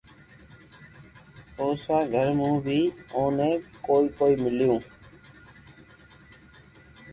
پئچوا گھر مون بي اوني ڪوئي ڪوئي ميليو